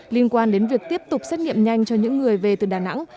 liên quan đến việc tiếp tục xét nghiệm nhanh cho những người về từ đà nẵng